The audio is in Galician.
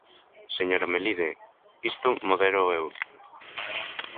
Señora Melide, isto modéroo eu.